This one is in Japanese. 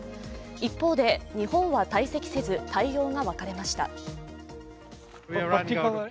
一方で、日本は退席せず、対応が分かれました。